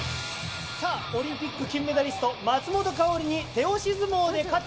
オリンピック金メダリスト松本薫に手押し相撲で勝て。